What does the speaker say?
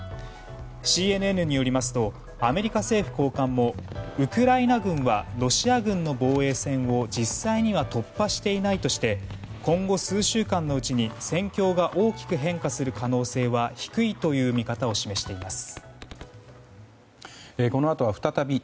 ＣＮＮによりますとアメリカ政府高官もウクライナ軍はロシア軍の防衛線を実際には突破していないとして今後数週間のうちに戦況が大きく変化する可能性は低いという見方を示しています。